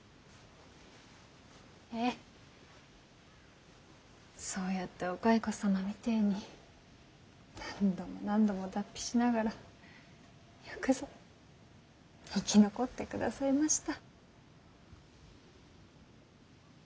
えぇそうやってお蚕様みてぇに何度も何度も脱皮しながらよくぞ生き残ってくださいました。